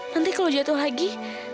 nanti kalau jatuh lagi